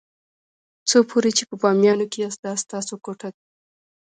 څو پورې چې په بامیانو کې یاست دا ستاسو کوټه ده.